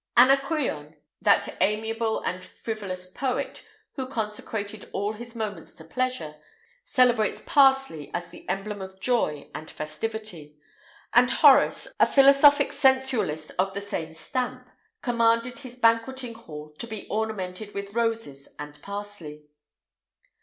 [IX 195] Anacreon, that amiable and frivolous poet, who consecrated all his moments to pleasure, celebrates parsley as the emblem of joy and festivity;[IX 196] and Horace, a philosophic sensualist of the same stamp, commanded his banquetting hall to be ornamented with roses and parsley.